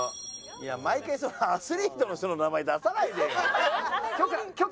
いや毎回そのアスリートの人の名前出さないでよ。